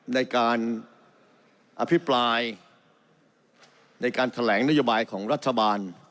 ในการอภิปรายในการแถลงนโยบายของรัฐบาล